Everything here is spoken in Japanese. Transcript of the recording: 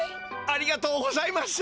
ありがとうございます。